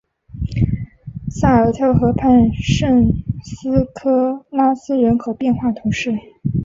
萨尔特河畔圣斯科拉斯人口变化图示